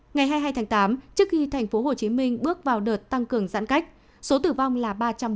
ngày hai mươi hai tháng tám trước khi tp hcm bước vào đợt tăng cường giãn cách số tử vong là ba trăm ba mươi